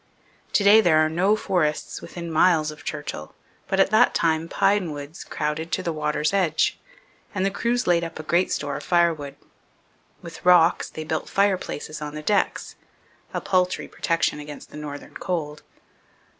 To day there are no forests within miles of Churchill, but at that time pine woods crowded to the water's edge, and the crews laid up a great store of firewood. With rocks, they built fireplaces on the decks a paltry protection against the northern cold.